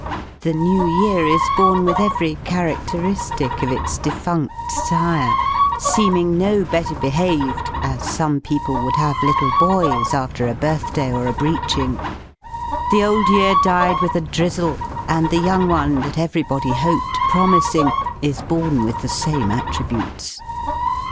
The New Year is born with every characteristic of its defunct sire seeming no better behaved (as some people would have little boys after a birthday or a breeching): the old year died with a drizzle; and the young one, that everybody hoped promising, is born with the same attributes.